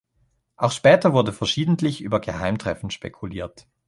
Auch später wurde verschiedentlich über Geheimtreffen spekuliert.